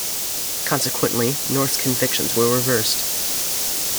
Consequently, North's convictions were reversed.